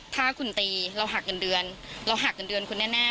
ถ้าคุณตีเราหักเงินเดือนเราหักเงินเดือนคุณแน่